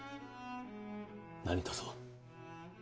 何とぞ。